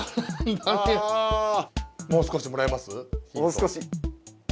もう少し。